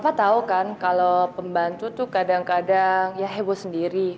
apa tahu kan kalau pembantu tuh kadang kadang ya heboh sendiri